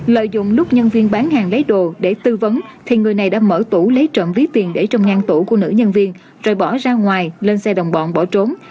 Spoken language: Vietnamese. lợi dụng lúc nhân viên bán hàng lấy đồ để tư vấn thì người này đã mở tủ lấy trận ví tiền để trong ngang tủ của nữ nhân viên rồi bỏ ra ngoài lên xe đồng bọn bỏ trốn